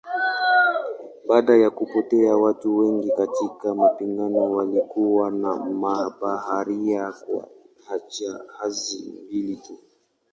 Baada ya kupotea watu wengi katika mapigano walikuwa na mabaharia kwa jahazi mbili tu.